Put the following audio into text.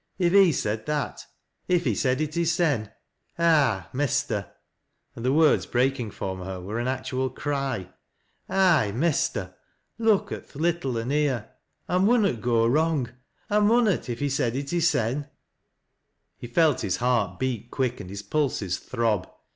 If he said that — if he said it hissen — Ah ! mester," — and the words breaking from her were an actual cry, —" Aye, mester, look at th' little an tierel I munnot go wrong — ^I munnot, if he said it liissen !" He felt his heart beat quick, and his pulses throb.